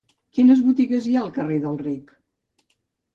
Quines botigues hi ha al carrer del Rec?